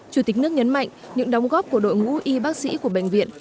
chủ tịch nước nhấn mạnh những đóng góp của đội ngũ y bác sĩ của bệnh viện